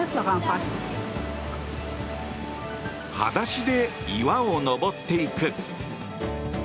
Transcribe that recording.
裸足で岩を登っていく。